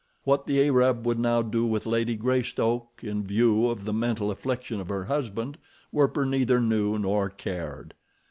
What the Arab would now do with Lady Greystoke, in view of the mental affliction of her husband, Werper neither knew nor cared.